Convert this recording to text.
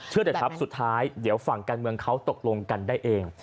เถอะครับสุดท้ายเดี๋ยวฝั่งการเมืองเขาตกลงกันได้เอง